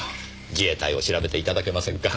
自衛隊を調べて頂けませんか？